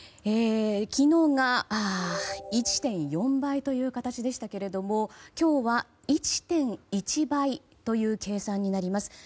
昨日が１．４倍という形でしたけれども今日は１．１倍という計算になります。